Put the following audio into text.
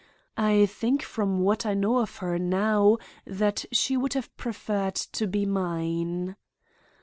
I think from what I know of her now that she would have preferred to be mine.